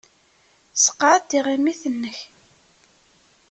Sseqɛed tiɣimit-nnek.